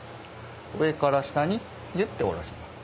上から下にギュッて下ろします。